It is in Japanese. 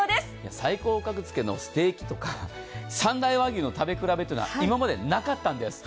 最高格付けのステーキとか三大和牛の食べ比べとか今までなかったんです。